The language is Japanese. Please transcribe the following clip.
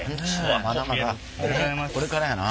まだまだこれからやな。